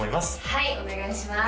はいお願いします